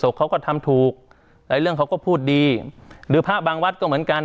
เขาก็ทำถูกหลายเรื่องเขาก็พูดดีหรือพระบางวัดก็เหมือนกัน